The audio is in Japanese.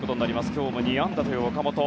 今日も２安打という岡本。